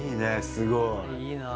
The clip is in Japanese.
すごい！いいな！